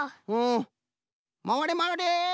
まわれまわれ。